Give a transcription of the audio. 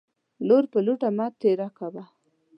لور پر لوټه مه تيره کوه.